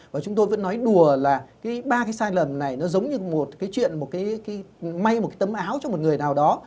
và chúng tôi vẫn nói đùa là cái ba cái sai lầm này nó giống như một cái chuyện một cái may một cái tấm áo cho một người nào đó